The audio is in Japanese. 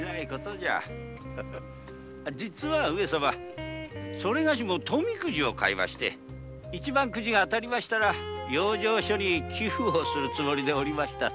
実は上様それがしも富くじを買いまして一番くじが当たったら養生所へ寄付するつもりでいましたのに。